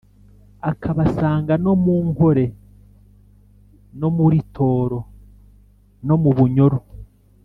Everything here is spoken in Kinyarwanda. akabasanga no mu nkore, no muri toro, no mu bunyoro.